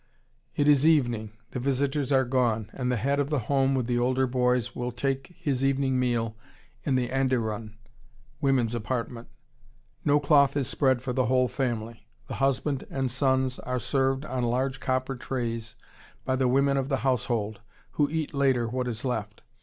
It is evening, the visitors are gone, and the head of the home with the older boys will take his evening meal in the anderun (women's apartment). No cloth is spread for the whole family. The husband and sons are served on large copper trays by the women of the household, who eat later what is left.